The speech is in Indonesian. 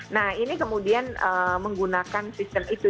nah ini kemudian menggunakan sistem itu